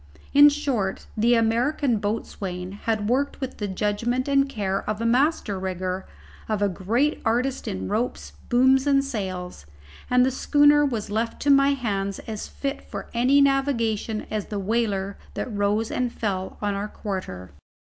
In short, the American boatswain had worked with the judgment and care of a master rigger, of a great artist in ropes, booms, and sails, and the schooner was left to my hands as fit for any navigation as the whaler that rose and fell on our quarter.